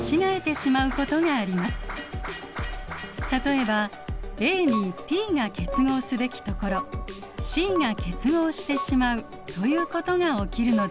例えばＡにＴが結合すべきところＣが結合してしまうということが起きるのです。